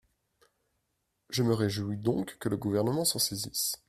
Je me réjouis donc que le Gouvernement s’en saisisse.